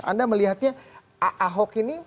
anda melihatnya ahok ini